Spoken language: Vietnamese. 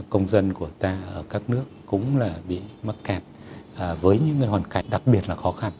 công dân của ta ở các nước cũng bị mắc kẹt với những hoàn cảnh đặc biệt là khó khăn